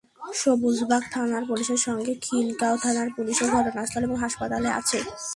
সবুজবাগ থানার পুলিশের সঙ্গে খিলগাঁও থানার পুলিশও ঘটনাস্থল এবং হাসপাতালে আছে।